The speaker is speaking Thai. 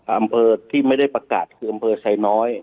อำเภอที่ไม่ได้ประกาศคืออำเภอไซน้อย